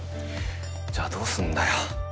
じゃあどうすんだよ。